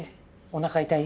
おなか痛い？